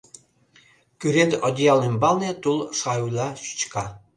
Кӱрен одеял ӱмбалне тул шаӱла чӱчка.